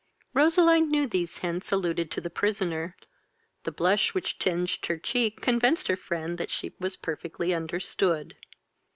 Roseline knew these hints alluded to the prisoner; the blush which tinged her cheek convinced her friend she was perfectly understood.